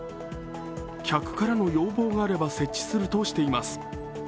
客からの要望があれば設置するとしています。